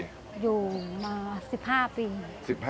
อยู่มา๑๕ปี